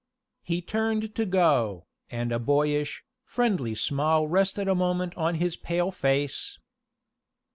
He turned to go, and a boyish, friendly smile rested a moment on his pale face.